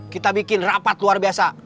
kita bikin rapat luar biasa